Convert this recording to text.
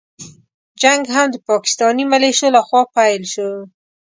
جنګ هم د پاکستاني مليشو له خوا پيل شو.